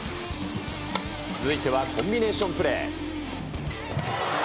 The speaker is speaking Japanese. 続いてはコンビネーションプレー。